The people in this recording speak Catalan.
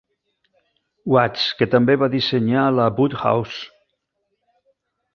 Watts, que també va dissenyar la Booth House.